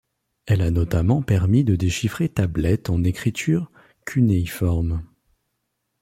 Elle a notamment permis de déchiffrer tablettes en écriture cunéiforme.